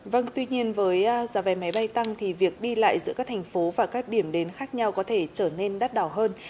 vâng tuy nhiên với giá vé máy bay tăng thì việc đi lại giữa các thành phố và các điểm đến khác nhau có thể trở nên đắt đảo hơn